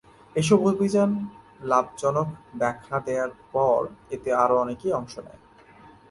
এসব অভিযান লাভজনক দেখা দেয়ার পর এতে আরো অনেকেই অংশ নেয়।